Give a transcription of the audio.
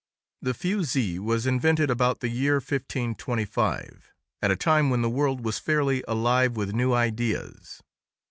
The fusee was invented about the year 1525, at a time when the world was fairly alive with new ideas.